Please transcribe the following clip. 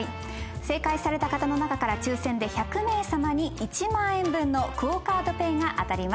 正解された方の中から抽選で１００名さまに１万円分のＱＵＯカードＰａｙが当たります。